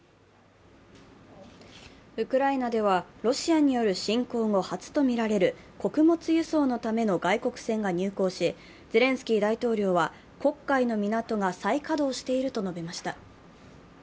ウクライナではロシアによる侵攻後初とみられる穀物輸送のための外国船が入港しゼレンスキー大統領は、黒海の港が再稼働していると述べました。